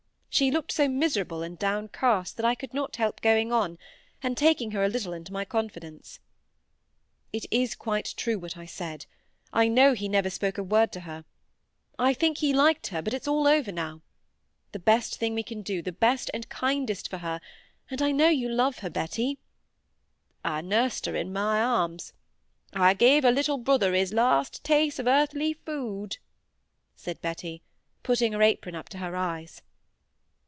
She looked so miserable and downcast, that I could not help going on, and taking her a little into my confidence. "It is quite true what I said. I know he never spoke a word to her. I think he liked her, but it's all over now. The best thing we can do—the best and kindest for her—and I know you love her, Betty—" "I nursed her in my arms; I gave her little brother his last taste o' earthly food," said Betty, putting her apron up to her eyes.